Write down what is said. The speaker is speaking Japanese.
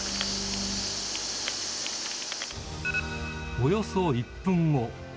およそ１分後。